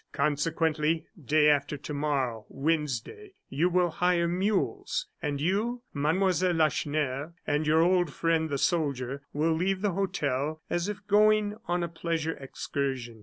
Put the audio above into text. Consequently, day after to morrow, Wednesday, you will hire mules, and you, Mademoiselle Lacheneur and your old friend, the soldier, will leave the hotel as if going on a pleasure excursion.